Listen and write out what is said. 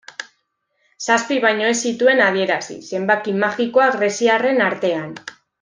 Zazpi baino ez zituen adierazi, zenbaki magikoa greziarren artean.